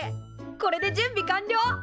これで準備完了！